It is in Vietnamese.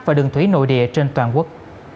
và đường thủy nội địa trên toàn quốc